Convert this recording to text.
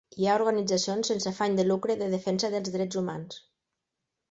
Hi ha organitzacions sense afany de lucre de defensa dels drets humans.